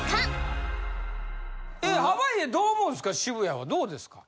え濱家どう思うんですか？